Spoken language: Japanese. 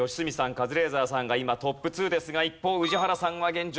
カズレーザーさんが今トップ２ですが一方宇治原さんは現状